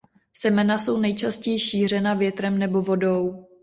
Semena jsou nejčastěji šířena větrem nebo vodou.